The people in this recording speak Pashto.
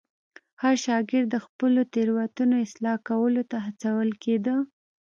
هر شاګرد د خپلو تېروتنو اصلاح کولو ته هڅول کېده.